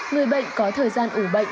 người bệnh có thời gian ủ bệnh